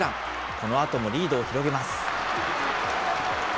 このあともリードを広げます。